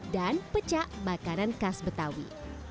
dan peca makanan khas betawi